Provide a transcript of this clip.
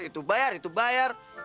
itu bayar itu bayar